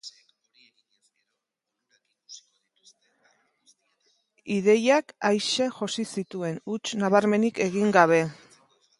Ideiak aise josi zituen, huts nabarmenik gabe.